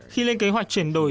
khi lên kế hoạch chuyển đổi